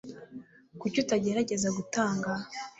Kuki utagerageza gutanga ?